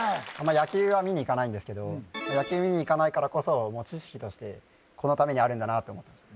野球は見に行かないんですけど野球見に行かないからこそ知識としてこのためにあるんだなって思ってました